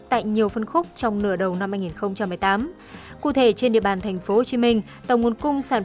tại nhiều phân khúc trong nửa đầu năm hai nghìn một mươi tám cụ thể trên địa bàn tp hcm tổng nguồn cung sản